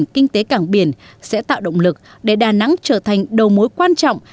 kinh tế cảng biển sẽ tạo động lực để đà nẵng trở thành đầu mối quan trọng